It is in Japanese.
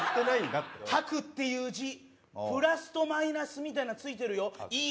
たくっていう字、プラスとマイナスみたいのがついてるよ。